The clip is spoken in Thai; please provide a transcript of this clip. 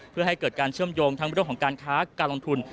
เพื่อให้เกิดการเชื่อมโยงทั้งเรื่องของการค้าการลงทุน